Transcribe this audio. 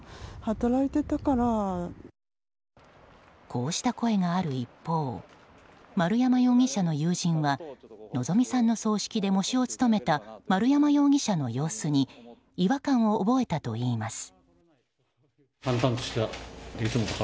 こうした声がある一方丸山容疑者の友人は希美さんの葬式で喪主を務めた丸山容疑者の様子に違和感を覚えたといいます。